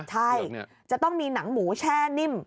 ใช่จะต้องมีหนังหมูแช่นิ่ม